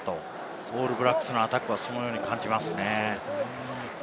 オールブラックスのアタックは、そのように感じます。